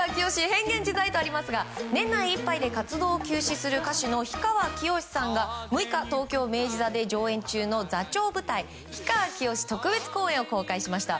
変幻自在とありますが年内いっぱいで活動休止する歌手の氷川きよしさんが６日、東京・明治座で上演中の座長舞台「氷川きよし特別公演」を公開しました。